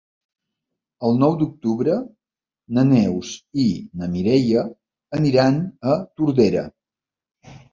El nou d'octubre na Neus i na Mireia aniran a Tordera.